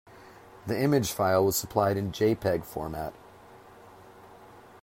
The image file was supplied in jpeg format.